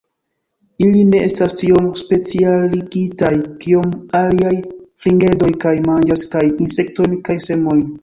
Ili ne estas tiom specialigitaj kiom aliaj fringedoj, kaj manĝas kaj insektojn kaj semojn.